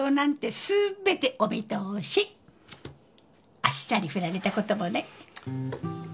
あっさり振られた事もね。